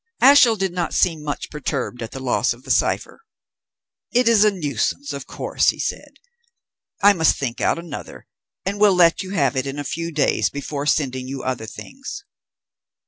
Ashiel did not seem much perturbed at the loss of the cipher. "It is a nuisance, of course," he said. "I must think out another, and will let you have it in a few days before sending you other things.